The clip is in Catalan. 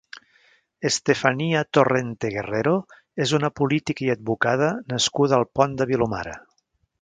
Estefania Torrente Guerrero és una política i advocada nascuda al Pont de Vilomara.